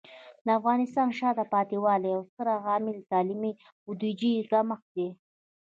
د افغانستان د شاته پاتې والي یو ستر عامل د تعلیمي بودیجې کمښت دی.